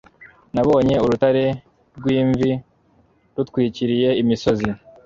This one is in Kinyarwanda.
Nabonye urutare rw'imvi rutwikiriye imisozi